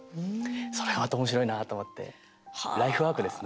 それがまた、おもしろいなと思って、ライフワークですね。